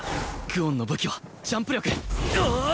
久遠の武器はジャンプ力！